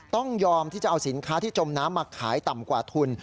ต้องยอมที่จะเอาสินค้าที่จมน้ำมาขายต่ำกว่าทุน